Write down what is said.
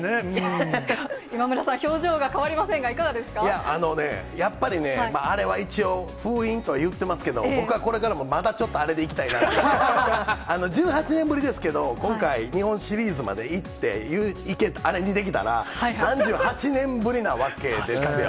今村さん、表情が変わりませいや、あのね、やっぱりね、アレは一応、封印とは言ってますけど、僕はこれからもちょっとアレでいきたいと思いますけれども、１８年ぶりですけど、今回、日本シリーズまでいって、アレにできたら、３８年ぶりなわけですよ。